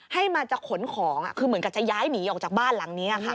ให้มาจะขนของคือเหมือนกับจะย้ายหนีออกจากบ้านหลังนี้ค่ะ